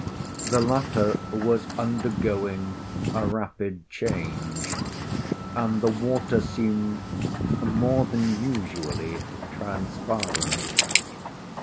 The latter was undergoing a rapid change, and the water seemed more than usually transparent.